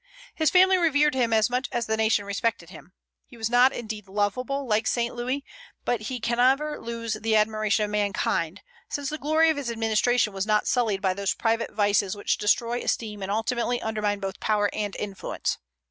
His family revered him as much as the nation respected him. He was not indeed lovable, like Saint Louis; but he can never lose the admiration of mankind, since the glory of his administration was not sullied by those private vices which destroy esteem and ultimately undermine both power and influence.